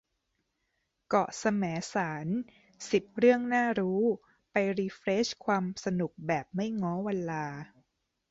เกาะแสมสาร สิบ เรื่องน่ารู้ ไปรีเฟรชความสนุกแบบไม่ง้อวันลา